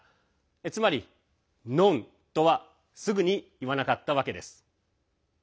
つまり、Ｎｏｎ！とはすぐに言わなかったわけです。